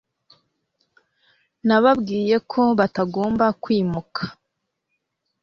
nababwiye ko batagomba kwimuka